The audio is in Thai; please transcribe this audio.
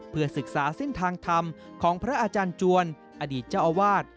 เพื่อศึกษาเส้นทางธรรมของพระอาจารย์จวนอดีตเจ้าอาวาส